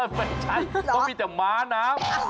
นั่นไม่ใช่เค้าพิเศษนะ